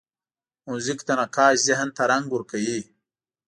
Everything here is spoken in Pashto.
موزیک د نقاش ذهن ته رنګ ورکوي.